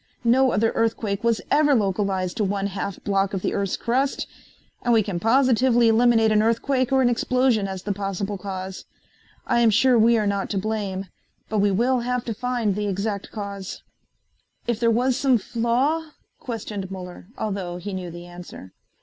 No other earthquake was ever localized to one half block of the earth's crust, and we can positively eliminate an earthquake or an explosion as the possible cause. I am sure we are not to blame, but we will have to find the exact cause." "If there was some flaw?" questioned Muller, although he knew the answer.